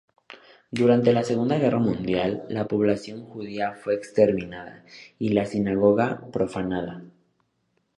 Durante la Segunda guerra mundial, la población judía fue exterminada, y la sinagoga profanada.